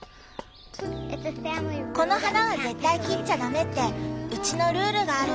この花は絶対切っちゃダメってうちのルールがあるの。